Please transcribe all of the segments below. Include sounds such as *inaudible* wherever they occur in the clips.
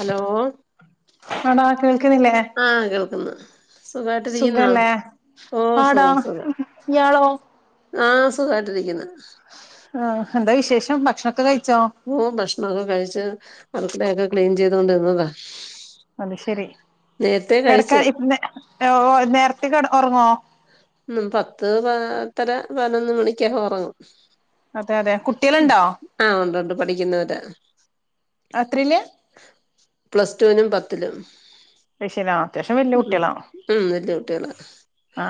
Hello ആടാ കേൾക്കുന്നില്ലേ ആ കേൾക്കുന്നു സുഖായിട്ട് ഇരിക്കുന്നാ സുഖല്ലേ ഓ ആടാ സുഖം സുഖം ഇയാളോ ആ സുഖായിട്ടിരിക്കുന്നു ആ എന്താ വിശേഷം ഭക്ഷണം ഓ ഭക്ഷണൊക്കെ കഴിച്ച് അടുക്കളയൊക്കെ ക്ലീൻ ചെയ്തോണ്ടിരുന്നതാ അത് ശെരി നേരത്തെ കഴിച്ച് കെടക്കാൻ ഇപ്പ നേരത്തെ ക ഉറങ്ങോ ഉ പത്ത് പത്തര പതിനൊന്ന് മണിക്കൊക്കൊ ഉറങ്ങും അതെ അതെ കുട്ടികളുണ്ടോ പഠിക്കുന്നരാ അത്തൃല്ലാ പ്ലസ് ടു വിലും പത്തിലും *unintelligible* അത്യാവശ്യം വല്ല്യയ ഉം കുട്ടികളാണോ ഉം വല്യ കുട്ടികളാ ആ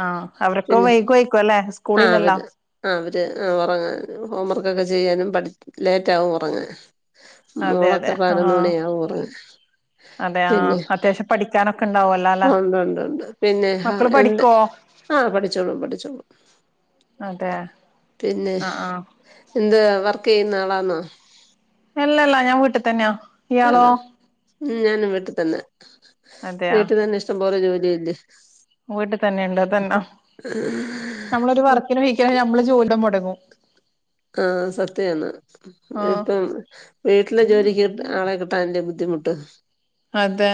അവര്ക്കും വൈകും ആയിരിക്കുല്ലേ ആ അവര് ആ അവര് ആ ഉറങ്ങാൻ ഹോംവർക്കൊക്കെ ചെ ചെയ്യാനും പഠി ലേറ്റാവും ഉറങ്ങാൻ അതെ അതെ മോളൊക്കെ പതിനൊന്ന് ആഹ് മണിയാവും ഉറങ്ങാൻ അതെ ആഹ് പിന്നെ അത്യാവശ്യം പഠിക്കാനൊക്കെ ഉണ്ടാവുമല്ലോ അല്ലെ ഉണ്ട് ഉണ്ട് ഉണ്ട് പിന്നെ മക്കള് എന്ത് പഠിക്കോ ആ പഠിച്ചോളും പഠിച്ചോളും അതെ പിന്നെ ആഹ് ആഹ് എന്താ വർക്ക് ചെയ്യുന്ന ആളാന്നോ അല്ലല്ലാ ഞാൻ വീട്ടി തന്നെയാ ഇയാളോ ആണോ ഉം ഞാനും വീട്ടി തന്നെ വീട്ടിൽ തന്നെ ഇഷ്ടം പോലെ ജോലിയില്ലേ വീട്ടി തന്നെണ്ട് അതന്ന നമ്മളൊരു വർക്കിന് വഹിക്കാ നമ്മള് ജോലിം മുടങ്ങും ആ സത്യാണ് ആഹ് ഇപ്പം വീട്ടിലെ ജോലിക്ക് ആളെ കിട്ടാൻ വല്ല്യ ബുദ്ധി ബുദ്ധിമുട്ട് അതെ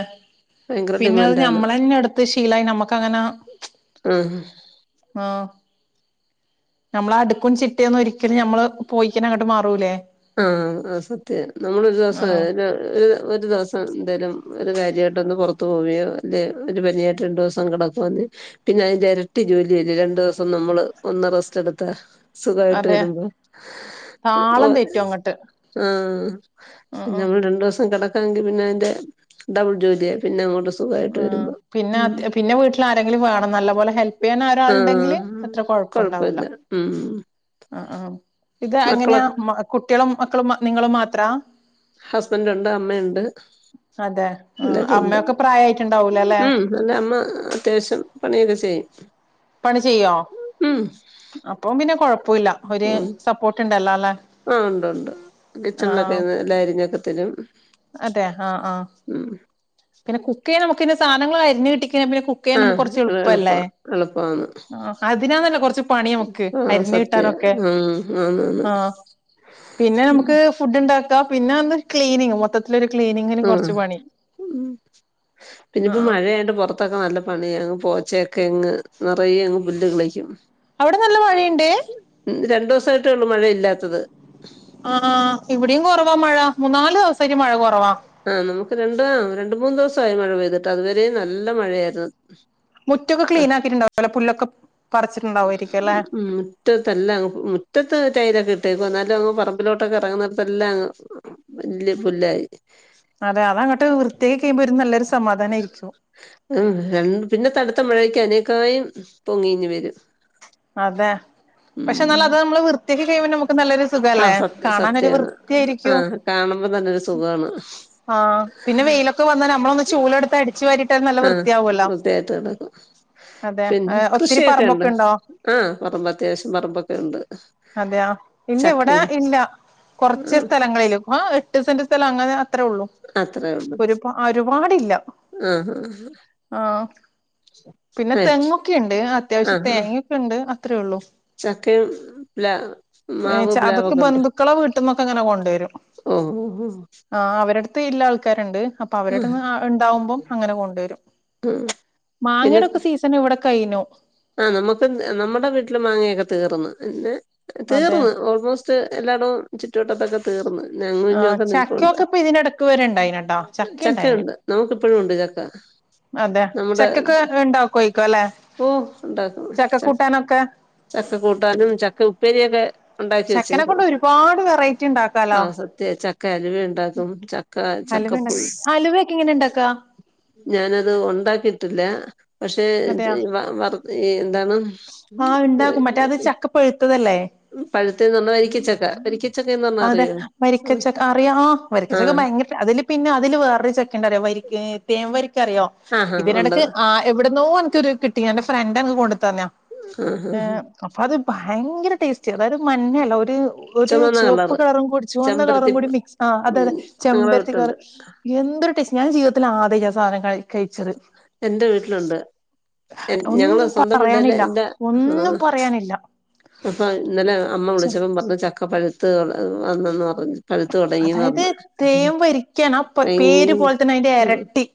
ഭയങ്കര പിന്നെ അത് ഡിമാൻഡാണ് ഞമ്മളന്നെ എടുത്ത് ശീലായി നമ്മക്ക് അങ്ങന ആഹ് ആ നമ്മള് അടുക്കും ചിട്ടിയൊന്നും ഒരിക്കലും മ്മള് പോയിക്കന അങ്ങോട്ട് മാറൂലേ ആ ആ സത്യ നമ്മളൊ ഒരു ദിവസം ആഹ് ഒരു ദിവസം എന്തേലും ഒരു കാര്യമായിട്ടൊ ഒന്ന് പുറത്തു പോവിയോ അല്ലേ ഒരു പനിയായിട്ട് രണ്ടു ദിവസം കിടൊക്കുവാന്നേ പിന്ന അതിൻ്റെ ഇരട്ടി ജോലിയല്ലേ രണ്ടു ദിവസം നമ്മള് ഒന്ന് റസ്റ്റ് എടുത്താ സുഖായിട്ട് അതെ വരുമ്പോ ഓ താളം തെറ്റും അങ്ങട്ട് ആ പിന്നെ ഉം നമ്മൾ രണ്ടു ദിവസം കിടക്കാങ്കി പിന്നെ അതിന്റെ ഡബിൾ ജോലിയ പിന്നെ അങ്ങോട്ട് സുഖായിട്ട് ആ വരുമ്പോ പിന്നെ ഉം പിന്നെ വീട്ടിൽ ആരെങ്കിലും വേണം നല്ല പോലെ ഹെല്പ് ചെയ്യാൻ ആഹ് ഒരാളുണ്ടെങ്കില് അത്ര കൊ കൊഴപ്പല്ല ഉം ആ ആ ഇത് അങ്ങനെയ മക്കളൊ കുട്ടികളും മക്കളും നിങ്ങളും മാത്രാ ഹസ്ബൻറ് ഉണ്ട് അമ്മയുണ്ട് എല്ലാരും ഉണ്ട് ചായയായിട്ടുണ്ടാവൂല അല്ലെ ഉം എന്റെ അമ്മ അത്യാവശ്യം പണിയൊക്കെ ചെയ്യും പണി ചെയ്യോ ഉം അപ്പം പിന്നെ കൊഴ- പ്പുല്ലഒരു ഉം സപ്പോർട്ട് ഉണ്ടല്ലോ അല്ലെ ആ ഉണ്ട് ഉണ്ട് ആ കിച്ചണിലൊക്കെ എല്ലാം അരിഞ്ഞൊക്കെത്തരും അതെ ആഹ് ആഹ് പിന്നെ കുക്ക് ചെയ്യാ നമുക്കിങ്ങ് സാധനങ്ങൾ അരിഞ്ഞ് കിട്ടി പിന്നെ കുക്ക് ആ ചെയ്യാൻ കുറച്ച് എള് എളുപ്പ എളുപ്പല്ലേ എളുപ്പാന്ന് അതിനാന്നല്ല കുറച്ച് പണി നമുക്ക് ആ അരി- സത്യ ആ ആന്ന് ആന്ന് പിന്നെ ഉം നമുക്ക് ഫുഡ്ണ്ടാക്കാം പിന്നെ ക്ലീനിങ് മൊത്തത്തില ഒരു ക്ലീനിങ്ങിനും ആ കുറച്ചു പണി ഉം ആ പിന്നെപ്പോ ആ മഴയായിട്ട് പുറത്തൊക്കെ നല്ല പണിയ അങ്ങ് പോ- ച്ചേയെക്കെ അങ്ങ് നിറയെങ്ങ് പുല്ല് കിളിക്കും അവിടെ നല്ല മഴയുണ്ട് തായിട്ടള്ളു മഴ ഇല്ലാത്തത് ആ ഇവിടെയും കുറവാ മഴ മൂന്നാല് ദിവസായിട്ട് മഴ കുറവാ ആ നമുക്ക് രണ്ട രണ്ട മൂന്നന്ന് ദിവസായി മഴ പെയ്തിട്ട് അതുവരെയും നല്ല മഴയായിരുന്നു മുറ്റൊക്കെ ക്ലീൻ ആക്കിട്ടുണ്ടോ പുല്ലൊക്കെ പറിച്ചിട്ടുണ്ടാവുമായിരിക്കും അല്ലെ ഉം മുറ്റത്തല്ലാം മുറ്റത്ത് ടൈലൊക്കെ ഇ- ട്ടേക്കുവ എന്നാലും അങ്ങ് പറമ്പിലോട്ടൊക്കെ ഇറങ്ങുന്ന ടുത്തെല്ലാം വല്യ പുല്ലായി അതെ അത അങ്ങോട്ട് വൃത്തിയായി കഴിയയുമ്പോൽ ഒരു നല്ലരു ഉം പിന്നെത്തെ അടുത്ത മഴക്ക് അതിനെ- ക്കായും പൊങ്ങിയിങ്ങ് വരും അതെ പക്ഷെ എന്നാൽ ഉം അത് നമ്മള് വൃത്തിയാക്കി കഴിയുമ്പോ നമുക്ക് നല്ലരു സുഖല്ലേ ആഹ് സത്യ കാണാനൊരു സത്യാണ് വൃത്തി ആയിരിക്കും ആഹ് കാണുമ്പോ തന്നൊരു സുഖാണ് ആ പിന്നെ വെയിലൊക്കെ വന്നാൽ നമ്മള് ഒന്ന് ചൂലെടുത്ത് അടിച്ചു വാരി ആ വ്യത്തിയായിട്ട് കിടക്കും അതെ പിന്നെ ഒത്തിരി കൃഷിയൊക്കെ ഉണ്ട് പറമ്പൊക്കെ ഉണ്ടോ ആ പറമ്പ് അത്യാവശ്യം പറമ്പൊക്കെ ഉണ്ട് അതെയാ ഇല്ല ഇവിടെ ചക്കയും ഇല്ല കുറച്ച് ആഹ് സ്ഥലങ്ങളിലും എട്ട് സെന്റ് സ്ഥലം അങ്ങനെ അത്ര ഉള്ളു അത്രേ ഉള്ളൂ ഒരുപ ഒരുപാടില്ല ആഹ് ആ പിന്നെ ആഹ് തെങ്ങൊക്കെുണ്ട് അത്യാവശ്യം ആഹ് തേങ്ങൊയൊക്കെ ഉണ്ട് അത്രയേ ഉള്ളൂ ചക്കയും പ്ല മാവ് ഏച്ച അതൊക്കെ പ്ലാവൊക്കെ ബന്ധുക്കളെ വീട്ടിൽന്നൊക്കെ ഇങ്ങനെ കൊണ്ടുവരും ഓ ഓ ഓ ഹോ അവരുടുത്ത് ഇല്ല ആൾക്കാരുണ്ട് അപ്പൊ അവരുടെന്ന് ഉണ്ടാവുമ്പം അങ്ങനെ കൊണ്ടുവരും ആഹ് മാങ്ങയുടെക്കെ സീസൺഒക്കെ ഇവിടെ കഴിഞ്ഞു ആ നമുക്ക് നമ്മുടെ വീട്ടില് മാങ്ങയൊക്കെ തീർന്ന് പിന്നെ അതെ തീർന്ന് ഓൾമോസ്റ്റ് എല്ലായിടവും ചുറ്റുവട്ടത്തൊക്കെ തീർന്ന് അങ്ങു ആഹ് ഇഞ്ഞൊക്കെ നിൽപ്പുണ്ട് ചക്കയൊക്കെ ഇപ്പൊ ഇതിനിടക്ക് വരെ ഉണ്ടായിനട്ടോ ചക്ക ഉണ്ടായിന് ചക്കയുണ്ട് നമുക്ക് ഇപ്പോഴും ഉണ്ട് ചക്ക അതെ നമ്മുടെ ചക്കയൊക്കെ ഉണ്ടാക്കായിരിക്കും അല്ലെ ഓ ഉണ്ടാക്കും ചക്ക ച കൂട്ടാനൊക്കെ ചക്ക കൂട്ടാനും ചക്ക ഉപ്പേരിയൊക്കെ ഉണ്ടാക്കി ചക്കനെ വെച്ചേക്കും കൊണ്ട് ഒരുപാട് വെറൈറ്റി ആ ഉണ്ടാക്കാലോ സത്യമാ ചക്ക അലവ ഉണ്ടാക്കും ചക്ക ചക്കപ്പുഴു ഹലുവയൊക്കെ എങ്ങനെ ഉണ്ടാക്കാ ഞാനത് ഉണ്ടാക്കിട്ടില്ല പക്ഷെ അതെയാ വറു- എന്താണ് ആഹ് ഉണ്ടാക്കും മറ്റേ അത് ചക്ക പഴുത്തതല്ലേ പഴുത്തന്ന് പറഞ്ഞാൽ വരിക്കച്ചക്ക വരിക്കച്ചക്ക എന്ന് പറഞ്ഞാ അതെ അറിയോ വരിക്കച്ചക്ക അറിയാ ആ ആ വരിക്കച്ചക്ക ഭയങ്കര അതില് പിന്നെ അതില് വേറൊ ചക്ക ഉണ്ടറിയോ തേൻവരിക്ക എിക്കറിയോ ആഹ് ആഹ് ഉണ്ട് ഇതിനിടക്ക് ആ എവിടന്നോ എനക്കൊരു കിട്ടി എ്ന്റെ ഫ്രണ്ട് എനക്ക് കൊണ്ടു തന്ന്യാ ആഹ് ഏ ആഹ് അപ്പൊ അത് ഭയങ്കര ടേസ്റ്റ് അതായത് ഒരു മഞ്ഞല്ല ഒരു ഒരു ചുമന്ന ചുവപ്പ് കളറ് കളറും കൂടി ചുവന്ന ചെമ്പരത്തി കളറും കൂടി മിക്സ് ആ അതെ അതെ ഞങ്ങളെ ചെമ്പരത്തി കളർ വീട്ടിലുണ്ട് എന്തൊരു ടേസ്റ്റ് ഞാന് ജീവിതത്തിൽ ആദ്യാട്ട ആ സാനം കഴിക്ക് കഴിച്ചത്, എന്റെ വീട്ടിലുണ്ട് ഞങ്ങള് ഒന്നും സ്വന്തം വീട്ടില് പറയാനില്ല എന്റെ ഒന്നും ആഹ് പറയാനില്ല അപ്പൊ ഇന്നലെ അമ്മ വിളിച്ചപ്പ പറഞ്ഞു ചക്ക പ്പഴുത്ത് വന്നന്ന് പഴുത്ത് തുടങ്ങീന്ന് അതായത് പറഞ്ഞ, തേൻ വരിക്കാണ് ആ ഭയങ്ക പേര് പോലെ തന്നെ അതിന്റെ എരട്ടി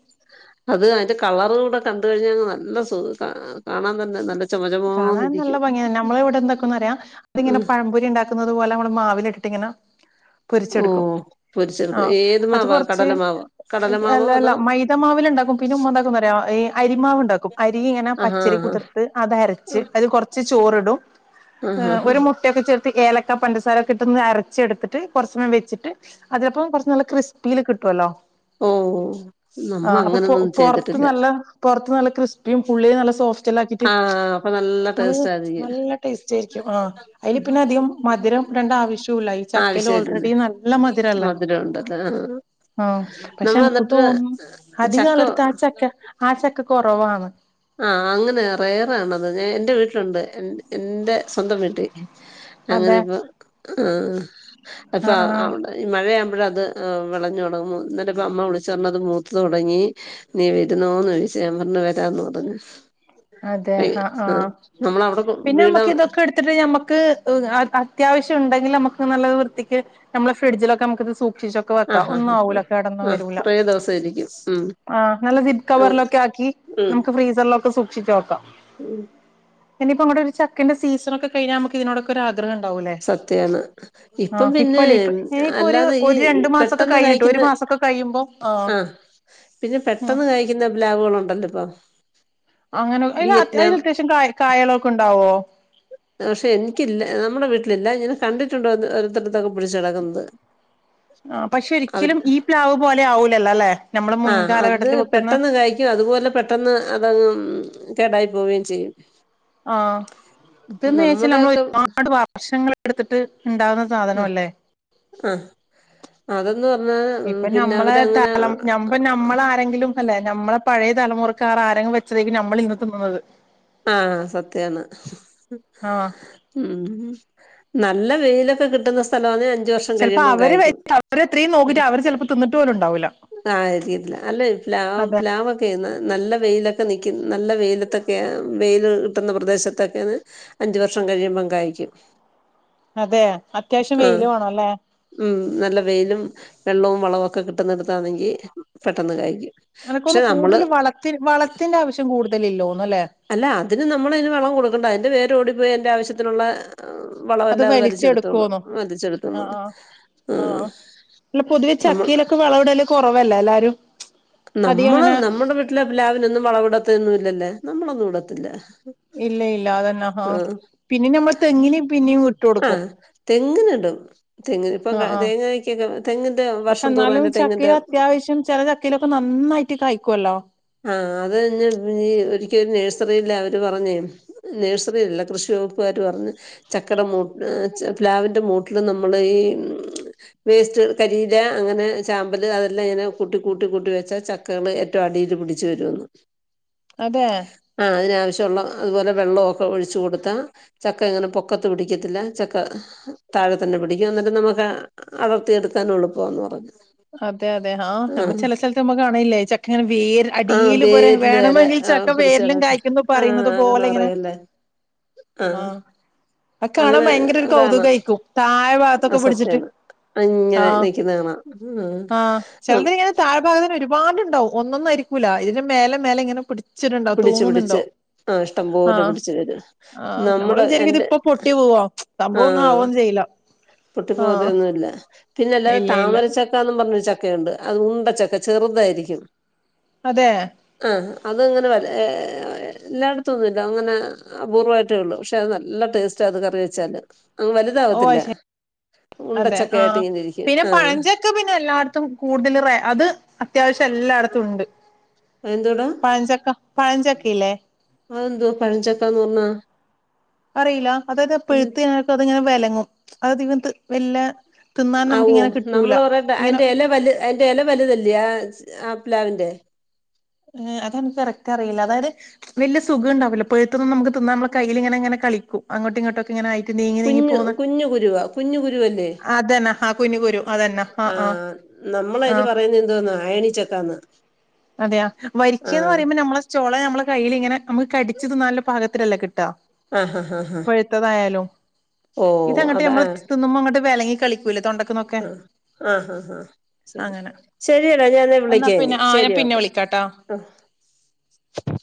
അത് അതിന്റെ കളറൂടെ കണ്ടഴിഞ്ഞാ നല്ല സുഖ കാണാൻ കാണാൻ തന്നെ നല്ല ചുമ കാണാൻ നല്ല ചുമാന്നിരിക്കും ഭംഗിയന്നെ നമ്മളെ ഇവിടെ എന്തൊക്ക റയാ തിങ്ങനെ ഉം പഴംപൊരി ഉണ്ടാക്കുന്നത് പോലെ നമ്മൾ മാവില് ഇട്ടിട്ട് ഇങ്ങനെ ഓ പൊരിച്ചെടുക്കും ആ പൊരിച്ചെടുക്ക ഏത് അത് മാവാ കൊറച്ച് കടലമാവോ കടലമാവോ അല്ല അല്ല അതോ മൈദ മാവിലുണ്ട പിന്നെ ഉമ്മാന്തക്കുന്നറിയോ ഈ അരിമാവണ്ടാക്കും അരി ഇങ്ങനെ ആഹാ പച്ചരി ആഹാ കുതിർത്ത് അത് അര ച്ച് അത് കൊറച്ച് ചോർടും ആഹ് ആഹ് ഒരു മുട്ടയ്ക്കെ ചേർ ഏലക്ക, പഞ്ചസാര ഒക്കെ ഇട്ടൊന്ന് അരച്ചെടുത്തിട്ട് കൊറചേരം വെച്ചിട്ട് അതിനൊപ്പം കൊറച്ച് നല്ല ക്രിസ്പിയിൽ കിട്ടുവല്ലോ ഓ ആ നമ്മള് അപ്പൊ അങ്ങനൊന്നും പൊറത്ത് ചെയ്തിട്ടില്ല നല്ല പൊറത്ത് നല്ല ക്രിസ്പിയും ഉള്ളില് നല്ല സോഫ്റ്റല്ല ആക്കിട്ട് ആഹ് അപ്പൊ നല്ല ടേസ്റ്റ് ആയിരിക്കും നല്ല ടേസ്റ്റായിരിക്കും ആഹ് അതിൽ പിന്നെ അധികം മധുരം ഇടണ്ട ആവശ്യോല്ല ഈ ചക്ക ആവശ്യലാല്ലോ മധുരം ഉണ്ടല്ല ആ ആ പക്ഷെ നമ്മൾ എനക്ക് എന്നിട്ട് തോന്നുന്നു അധിക ചക്ക ആളെടുത്ത് ആ ചക്ക ആ ചക്ക കുറവാണ് ആ അങ്ങനെ റേറാണത് ഞാ എൻറെ വീട്ടിലുണ്ട് എന്റെ എന്റെ സ്വന്തം വീട്ടിൽ അങ്ങനെ അതെ ഇപ്പം ആ ആ ആ അപ്പവിടെ മഴയാവുമ്പോ അഴത് വെളഞ്ഞു തൊടങ്ങും ന്നിട്ടപ്പം അമ്മ വിളിച്ച് പറഞ്ഞ് അത് മൂത്തോടങ്ങി നീ വരുന്നോന്ന് ചോദിച്ചു ഞാൻ പറഞ്ഞ് വരന്നറഞ്ഞു അതെ ആഹ് ആ നമ്മളവിടെ പിന്നെ വീട് നമ്മക്ക് ആഹ് ഇതൊക്കെ എടുത്തിട്ട് നമ്മക്ക് അത്യാവശ്യണ്ടെങ്കി നമക്ക് നല്ല വൃത്തിക്ക് നമ്മള് ഫ്രിഡ്ജിലക്കെ നമ്മക്ക് സൂഷിച്ച് സൂഷിച്ച് വെക്കാ ആഹ് ഒന്നാവൂല ആഹ് കേടൊന്നും ആഹ് വരൂല കുറേ ദിവസം ഇരിക്കും ഉം ആഹ് നല്ല സിപ് ഉം കവറിലൊക്കെക്കാ ക്കി നമ്മക്ക് ഫ്രീസറിലൊക്കെ സൂഷ് *unintelligible* ഉം ഇനിയിപ്പോ അങ്ങോട്ട് ഒരു ചക്കന്റെ സീസനൊക്കെ കഴിഞ്ഞാ നമുക്ക് ഇതിനോടൊക്കെ ആഗ്ര സത്യാണ് ഇപ്പം ആഹ് പിന്നെ ഇപ്പല്ലേ ഇപ്പ ഇനിയിപ്പോ ഒരു അല്ലാതെ ഈ ഒരു രണ്ടു മാസമൊക്കെ പെട്ടെന്ന് കഴിഞ്ഞിട്ട് ഒരു കഴിക്കുന്ന മാസമൊക്കെ കഴിയുമ്പോ ആഹ് ആ പിന്നെ ഉം പെട്ടെന്ന് കായ്ക്കുന്ന പ്ലാവുകളുണ്ടല്ലോ ഇപ്പൊ അങ്ങനെ അ അതിൽ വിയറ്റ്നാം അത്യാവശ്യം കായ് കായാളൊക്കെ ണ്ടാവോ പക്ഷെ എനിക്കില്ല നമ്മുടെ വീട്ടിലില്ല ഞാൻ കണ്ടിട്ടുണ്ട് ഒത്തരത്തൊക്കെ പിടിച്ച് കടക്കുന്നത് ആഹ് പക്ഷെ അത് ഒരിക്കലും ഈ പ്ലാവ് പോലെ ആവൂലല്ലോ അല്ലെ നമ്മള് ആ അത് മുൻകാലഘട്ടത്തിൽ വെക്കുന്ന പെട്ടെന്ന് കായ്ക്കും അതുപോലെ പെട്ടെന്ന് അതങ് കേടായി പോവേം ചെയ്യും ആഹ് *unintelligible* നമ്മുടെ നമ്മൾ ഒക്കെ ഒരുപാട് വർഷങ്ങളൊ എടുത്തിട്ട് ണ്ടാവുന്ന സാധനം അല്ലേ ആ ആ അതെന്ന് പറഞ്ഞാ ഉം, ഇപ്പൊ പിന്നെ ഞമ്മളെ അവരങ്ങനെ തലം ന ഞമ്മള ആരെങ്കിലും അല്ലേ ഞമ്മളെ പഴയ തലമുറക്കാർ ആരെലും വെച്ചതേക്കും നമ്മൾ ഇന്ന് തിന്നുന്നത് ആഹ് സത്യാണ് ആഹ് ഉം നല്ല വെയിലൊക്കെ കിട്ടുന്ന സ്ഥലാനേ ചെലപ്പോ അവര് വെച്ച് അവരത്രെ നോക്കിട്ട് അവര് ചെലപ്പോ തിന്നിട്ട് പോലും ണ്ടാവൂല ആരിക്കില്ല അല്ലെ പ്ലാ പ്ലാവോക്കെ നല്ല വെയിലത്ത് നിക്കുന്ന നല്ല വെയിലത്തൊക്കെ വെയില് കിട്ടുന്ന പ്രദേശത്തൊക്കെയന്ന് അഞ്ച്‌ വർഷം കഴിയുമ്പം കായ്ക്കും അതെ അത്യാവശ്യം ആഹ് വെയില് വേണല്ലേ ഉം നല്ല വെയിലും വെള്ളവും വളവൊക്കെ കിട്ടുന്നെടുത്താണെങ്കി പെട്ടെന്ന് കായ്ക്കും പക്ഷെ അനക്കൊന്ന് നമ്മള് കൂടുതൽ വളത്തി വളത്തിന്റെ ആവശ്യം കൂടുതലില്ലാന്ന് അല്ല അതിന് നമ്മൾ അതിന് വളം കൊടുക്കണ്ട അതിന്റെ വേര് ഓടിപ്പോയി അതിന്റെ ആവശ്യത്തിനി ള്ള വളമല്ലാം അത് വലിച്ചെടുതോളും വലിച്ചെടുത്ത ആഹ് ആഹ് ആ ആഹ് ആഹ് അല്ല പൊതുവെ ചക്ക യിലൊക്കെ വളം ഇടൽകുറവല്ല എല്ലാരും. അധികം നമ്മള് അങ്ങനെ നമ്മുടെ വീട്ടിലെപ്ലാവിനൊന്നും വളവിടത്തൊന്നും ഇല്ലല്ലേ നമ്മളൊന്നും ഇടത്തില്ല ഇല്ല ഇല്ല ആഹ് അതന്നാഹാപിന്നെ ഞമ്മളെ തെങ്ങിന പിന്നെയ ഇ.. ആഹ് തെങ്ങ് ന്ഇടും തെങ്ങിഇപ്പേ ആഹ് ആഹ് തെങ്ങക്കൊക്കെ തെങ്ങിന്റെ വർഷം തോറും അയ്ന്റെ... ചക്കൽ അത്യാവശ്യം ചില ചക്കയിലൊക്കെ നന്നായിട്ട് കായികോലോ ആഹ അത *unintelligible* ഒരിക്കലെ നഴ്സറിയിലെ അവര് പറഞ്ഞെ നഴ്സറിയിൽ ലല്ല കൃഷി വയ്പ്പ് കാര് പറഞ്ഞെ ച... ചക്ക മൂ പ്ലാവിന്റെ മൂട്ടില് നമ്മൾ ഈ വേസ്റ്റ് കരിയില അങ്ങനെ ചാമ്പല് അതെല്ലാം ഇങ്ങനെ കൂട്ടി കൂട്ടി കൂട്ടി വെച്ച ചക്കകൾ ഏറ്റവും അടിയി... അടീൽപിടിച്ചു വരുമന്ന് അതെ അതുപോലെ വെള്ളമ ഒക്കെ ഒഴിച്ചു കൊടുത്താചക്കെ അങ്ങനെ ചക്കത്ത് പിടിക്കത്തില്ല ചക്ക താഴെ തന്നെ പിടിക്കും എന്നിട്ട് നമുക്ക് അതിർത്തി എടുക്കാൻ എളുപ്പ മാന്ന്പറഞ്ഞു അതെ അതെ ആഹ് നമ്മ ചെല സ്ഥലത്ത്നമ്മ കാണലില്ലെച്ചക്ക ഇങ്ങനെ വേര് അടീൽ പോലെ വേണ വേണമ... ആഹ പിടിച്ചതാ ആഹ അങ്ങനെ പോലെ ഇങ്ങനെ പറയല്ലേ ആഹ ആഹ് അത് കാണാൻ അങ്ങനെ ഭയങ്കര ഒരു കാണാം കൗതുകായിരിക്കും താഴെ ഭാഗത്തൊക്കെ പിടിച്ചിട്ട് അത്‌സത്യാണ് അങ്ങനെ ആഹ് നിക്കുന്ന കാണാം ആഹ് ഉം ചിലത് ഇങ്ങനെ താഴ്ഭാഗത്ത്ഒരുപാട്... ണ്ടാവും ഒന്ന്ഒന്നും ആയിരിക്കില ഇതിന്റെ മേലെ മേലെ ഇങ്ങനെ പി... ച്ച്ട്ടണ്ടോ പിടിച്ച് തൂങ്ങ്ന്ന്ണ്ടോ പിടിച്ച് ആഹ് ഹാ ഇഷ്ടംപോലെ പിടിച്ച് വരും ഹാ നമ്മള് നമ്മുടെ വിചാരിക്കും ഇത് എന്റെ പൊട്ടി പോകു സംഭവം ഒന്നും ആവോ ചെയ്യില്ല ആഹ് പൊട്ടിപ്പോകത്തെന്നുമില്ല പിന്നെ അല്ലാതെ ഇല്ല ഇല്ല താമരച്ചക്കന്നും. പറഞ്ഞ ചക്കയുണ്ട്അത് ഉണ്ടച്ചക്കഅത് ചെറുതായിരിക്കും. അതെ ആഹ് അതങ്ങനെ ഒരേ *inaudible* എല്ലായിടത്തു ഒന്നുല്ല അങ്ങനെ അപൂർവ്വമായിട്ടേ ഉള്ളൂ പക്ഷേ അത് നല്ല ടേസ്റ്റ് അത് കറി വെച്ചാല് അങ്ങ് ഓഹ് വലുതാവത്തില്ല അയ്ശെ അതെ ഉണ്ടച്ചക്ക ആയിട്ട് ആഹ ഇങ്ങനെ ഇരിക്കും പിന്നെ ആ പഴഞ്ചക്ക പിന്നെ എല്ലായിടത്തും കൂടുതൽ അത് അത്യാവശ്യം... എല്ലായിടത്തും ഉണ്ട് അയന്തൂടാ പഴഞ്ചക്ക പഴഞ്ചക്കയില്ലേ അതെന്തു പഴഞ്ചക്കന്ന് പറഞ്ഞാ. അറിയില്ല അതായത്പ്പഴുത്ത് ഞനക്ക് അത്ങ്ങനെ വെലങ്ങും അത് അതികഇങ്ങന വല്ല... തിന്നാൻ ആഓ നമുക്കിങ്ങനെ കിട്ടൂല നമ്മൾോറ ഇങ്ങനെ അതിന്റെ എല വലുതല്ലേഅഹാ... പ്ലാവിന്റെ ഏ അത നമുക്ക് കറക്റ്റ് അറിയില്ല അതായത് വലിയ സുഖംണ്ടാവില്ലോ പഴുത്ത തൊന്നുംനമുക്ക് തിന്നാ നമ്മടെകയ്യിൽ ഇങ്ങനെങ്ങനെ... കളിക്കും അങ്ങോട്ടും ഇങ്ങോട്ടൊക്കെ ഇങ്ങനെ ആയിട്ട് നീങ്ങി നീങ്ങി കുഞ്ഞു പോുന്ന കുഞ്ഞു കുരുവാ കുഞ്ഞു അതന്നെ ആ കുഞ്ഞി കുരു. അതന്നെ ആഹ് ആഹ് ആഹ നമ്മളതിന് ആഹ് പറയുന്നതെന്താ ന് അയനിചക്കാന്ന്. അതെയോവരിക്ക എന്ന്പറയുമ്പോ നമ്മളെ ചോള നമ്മളെ കയ്യിൽ ഇങ്ങനെ... നമുക്ക് കടിച് തിന്നാൻ നല്ല ഭാഗത്തിലല്ലേകിട്ടാ... ആ ഹാ ഹാ ഹാ ഓ പൊഴുത്തതായാലുംഇതങ്ങോട്ട് അതാ ഞമ്മൾ ആ തിന്നുമ്പോ ക് അങ്ങോട്ട് വലങ്ങി കളിക്ക... ആ ആഹ് ഹാ ആ ശരി അങ്ങനെ ശരിയ ടാഞാൻ എന്നാ നിന്നെവിളിക്കാ പിന്നെ ആ ഞാൻ ശരി. പിന്നെ ഓക്കെ വിളിക്കാട്ടാ ആ പി...